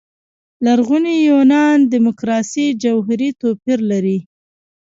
لرغوني یونان دیموکراسي جوهري توپير لري.